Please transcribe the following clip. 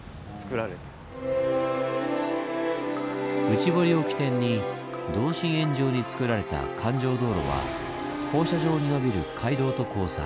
内堀を起点に同心円状につくられた環状道路は放射状にのびる街道と交差。